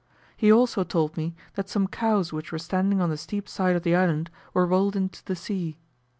He also told me that some cows which were standing on the steep side of the island were rolled into the sea.